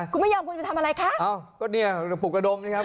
คุณไม่ยอมคุณจะทำอะไรคะอ้าวก็เนี่ยกระปุกกระดงนี่ครับ